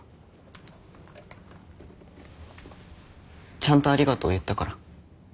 ちゃんとありがとう言ったから。